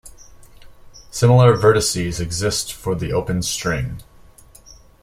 Similar vertices exist for the open string.